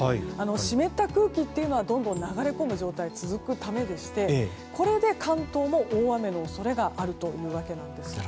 湿った空気というのがどんどん流れ込む状態が続くためでしてこれで関東も大雨の恐れがあるというわけなんです。